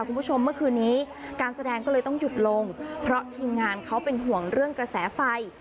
คุณผู้ชมเมื่อคืนนี้การแสดงก็เลยต้องหยุดลงเพราะทีมงานเขาเป็นห่วงเรื่องกระแสไฟ